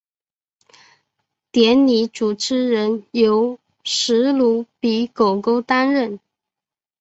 典礼主持人由史奴比狗狗担任。